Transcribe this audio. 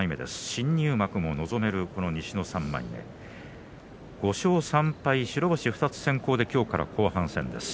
新入幕も望めるこの日の３枚目５勝３敗、白星２つ先行で今日から後半戦です。